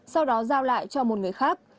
sau đó giao lại cho một người khác